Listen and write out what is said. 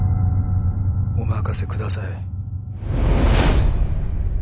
お任せください。